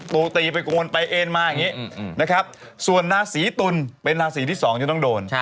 ตีไปโกนไปเอ็นมาอย่างนี้นะครับส่วนราศีตุลเป็นราศีที่สองจะต้องโดน